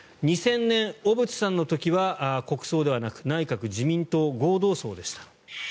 ２０００年小渕さんの時は国葬ではなく内閣・自民党合同葬でした。